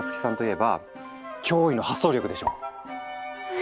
え。